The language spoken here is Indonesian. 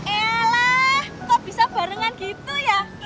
elah kok bisa barengan gitu ya